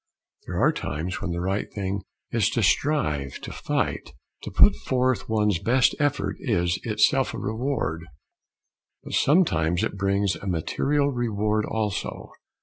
There are times when the right thing is to strive, to fight. To put forth one's best effort is itself a reward. But sometimes it brings a material reward also.